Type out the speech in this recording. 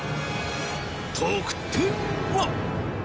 得点は。